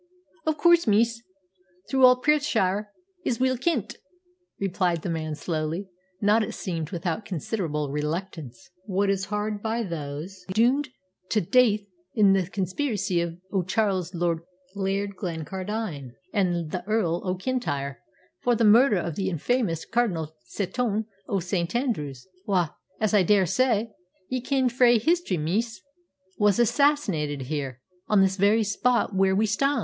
"Of coorse, miss. Through all Perthshire it's weel kent," replied the man slowly, not, it seemed, without considerable reluctance. "What is h'ard by those doomed tae daith is the conspiracy o' Charles Lord Glencardine an' the Earl o' Kintyre for the murder o' the infamous Cardinal Setoun o' St. Andrews, wha, as I dare say ye ken fra history, miss, was assassinated here, on this very spot whaur we stan'.